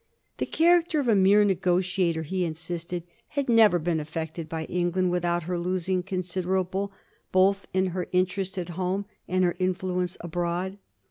" The character of a mere negotiator," he insisted, " had never been affected by England without her losing considerable, both in her interest at home and her influence abroad.